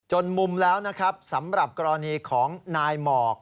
มุมแล้วนะครับสำหรับกรณีของนายหมอก